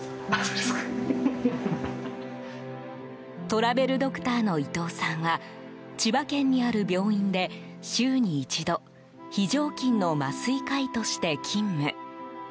トラベルドクターの伊藤さんは千葉県にある病院で週に一度非常勤の麻酔科医として勤務。